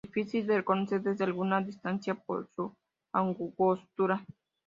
Difícil de reconocer desde alguna distancia por su angostura.